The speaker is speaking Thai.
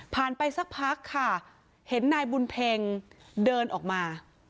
ไปสักพักค่ะเห็นนายบุญเพ็งเดินออกมา